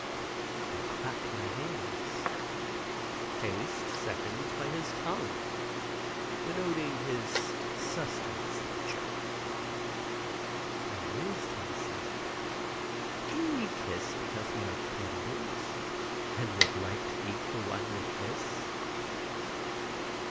I clap my hands. "Taste, second, by his tongue, denoting his sustenance nature." I muse to myself, do we kiss because we are cannibals, and would like to eat the one we kiss?